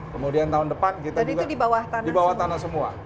kemudian tahun depan kita juga dibawah tanah semua